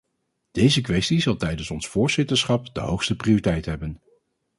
Deze kwestie zal tijdens ons voorzitterschap de hoogste prioriteit hebben.